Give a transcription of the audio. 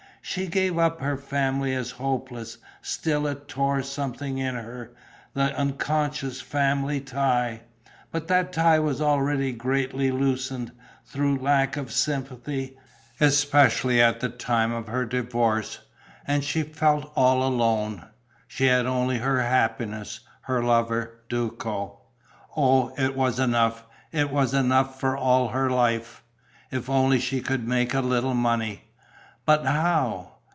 She gave up her family as hopeless. Still it tore something in her, the unconscious family tie. But that tie was already greatly loosened, through lack of sympathy, especially at the time of her divorce. And she felt all alone: she had only her happiness, her lover, Duco. Oh, it was enough, it was enough for all her life! If only she could make a little money! But how?